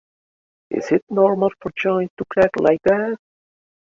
Is it normal for joints to crack like that?